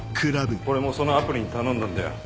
これもそのアプリに頼んだんだよ。